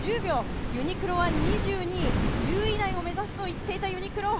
ユニクロは２２位、１０位以内を目指すといっていたユニクロ